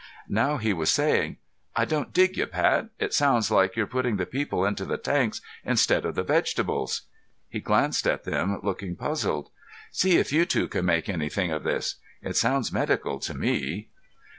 Now he was saying, "I don't dig you, Pat. It sounds like you're putting the people into the tanks instead of the vegetables!" He glanced at them, looking puzzled. "See if you two can make anything of this. It sounds medical to me."